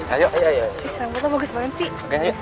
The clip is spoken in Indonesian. ayolah bagus banget sih